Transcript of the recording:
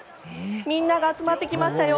みんなが集まってきましたよ。